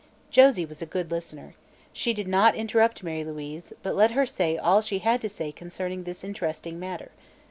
Josie was a good listener. She did not interrupt Mary Louise, but let her say all she had to say concerning this interesting matter.